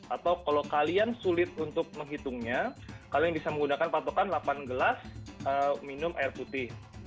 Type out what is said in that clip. atau kalau kalian sulit untuk menghitungnya kalian bisa menggunakan patokan delapan gelas minum air putih